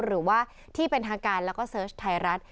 หรือว่าที่เป็นทางการแล้วก็เสิร์ชไทยรัฐ